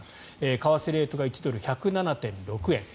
為替レートが１ドル＝１０７．６円。